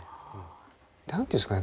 何て言うんですかね